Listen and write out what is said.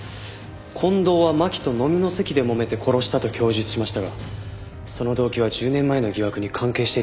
近藤は巻と飲みの席でもめて殺したと供述しましたがその動機は１０年前の疑惑に関係していたのかもしれません。